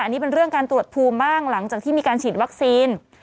อันนี้เป็นเรื่องการตรวจภูมิบ้างหลังจากที่มีการฉีดวัคซีน